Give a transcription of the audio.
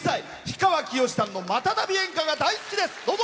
氷川きよしさんの股旅演歌が大好きです。